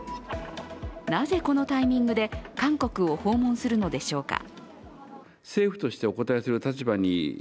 なぜ、このタイミングで韓国を訪問するのでしょうか。